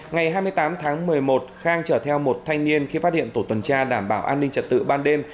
ngày hai mươi tám tháng một mươi một khang chở theo một thanh niên khi phát hiện tổ tuần tra đảm bảo an ninh trật tự ban đêm